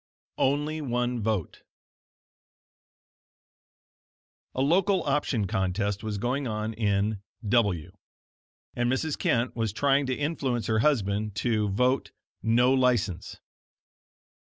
ONLY ONE VOTE A local option contest was going on in W , and Mrs. Kent was trying to influence her husband to vote "No License."